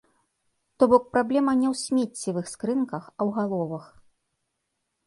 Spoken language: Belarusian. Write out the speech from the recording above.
То бок праблема не ў смеццевых скрынках, а ў галовах.